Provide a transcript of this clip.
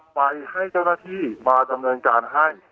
ไปให้เจ้าหน้าที่มาดำเนินการให้